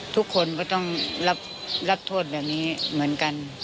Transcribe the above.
ทุกคนก็ต้องรับโทษแบบนี้เหมือนกัน